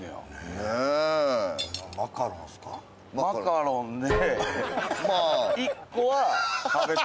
マカロンで。